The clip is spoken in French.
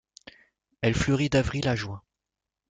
Elle fleurit d'avril à juin.